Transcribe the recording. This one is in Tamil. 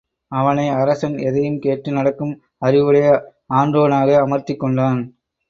அவனை அரசன் எதையும்கேட்டு நடக்கும் அறிவுடைய ஆன்றோனாக அமர்த்திக் கொண்டான்.